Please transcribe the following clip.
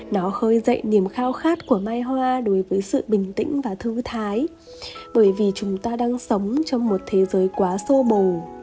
nó hơi dậy niềm khao khát của mai hoa đối với sự bình tĩnh và thư thái bởi vì chúng ta đang sống trong một thế giới quá sô bồ